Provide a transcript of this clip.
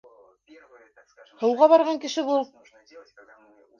Һыуға барған кеше бул.